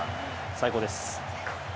最高です。